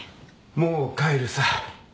もう帰るさ。